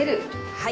はい。